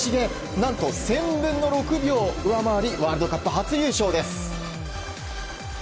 何と１０００分の６秒上回りワールドカップ初優勝です。